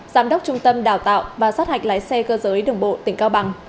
giám đốc trung tâm đào tạo và sát hạch lái xe cơ giới đường bộ tỉnh cao bằng